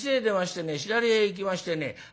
左へ行きましてね